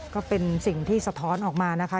ก็เป็นสิ่งที่สะท้อนออกมานะคะ